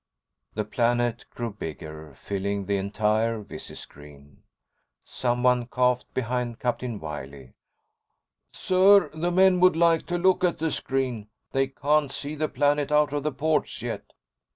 The planet grew bigger, filling the entire visi screen. Someone coughed behind Captain Wiley. "Sir, the men would like to look at the screen. They can't see the planet out of the ports yet."